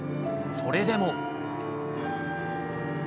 それでも。